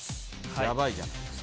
やばいじゃないですか。